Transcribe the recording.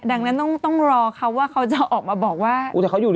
ดังนั้นต้องรอเขาว่าเขาจะออกมาบอกว่าเขาเขียนอะไร